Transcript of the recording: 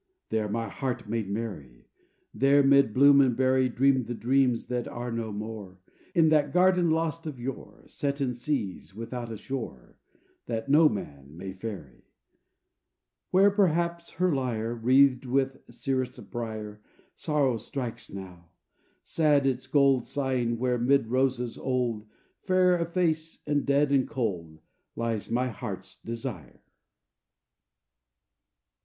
There my heart made merry; There, 'mid bloom and berry, Dreamed the dreams that are no more, In that garden lost of yore, Set in seas, without a shore, That no man may ferry. Where perhaps her lyre, Wreathed with serest brier, Sorrow strikes now; sad its gold Sighing where, 'mid roses old, Fair of face and dead and cold Lies my Heart's Desire.